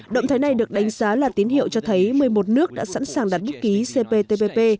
động thái này được đánh giá là tín hiệu cho thấy một mươi một nước đã sẵn sàng đặt bút ký cptpp